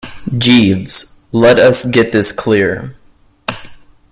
Jeeves, let us get this clear.